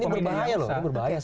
dan ini berbahaya loh ini berbahaya